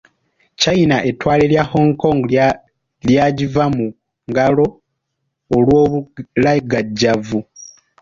China ettwale lya Hong Kong lyagiva mu ngalo olw’obulagajjavu.